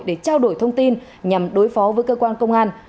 để trao đổi thông tin nhằm đối phó với cơ quan công an